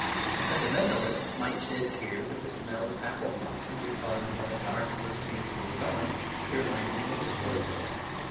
A sentimentalist might shed tears at the smell of apple blossom, because, by a dark association of his own, it reminded him of his boyhood.